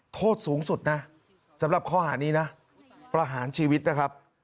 โทษสูงสุดนะสำหรับข้อหานี้นะประหารชีวิตนะครับ